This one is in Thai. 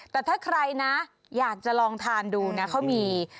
แต่ถ้าใครนะอยากจะลองทานดูนะเขามี